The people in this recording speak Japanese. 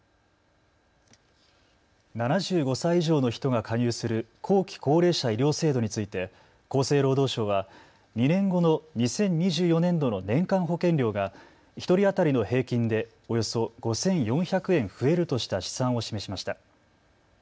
７５歳以上の人が加入する後期高齢者医療制度について厚生労働省は２年後の２０２４年度の年間保険料が１人当たりの平均でおよそ５４００円増えるとした試算を示しました。